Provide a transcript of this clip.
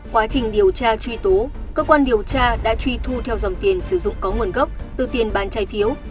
quá trình điều tra truy tố cơ quan điều tra đã truy thu theo dòng tiền sử dụng có nguồn gốc từ tiền bán trái phiếu